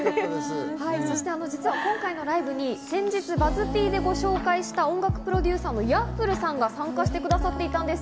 実は今回のライブに先日ＢＵＺＺ−Ｐでもご紹介した、音楽プロデューサーのＹａｆｆｌｅさんが参加してくださっていたんです。